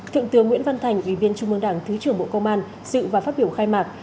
thượng tướng nguyễn văn thành ủy viên trung mương đảng thứ trưởng bộ công an dự và phát biểu khai mạc